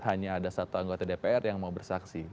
hanya ada satu anggota dpr yang mau bersaksi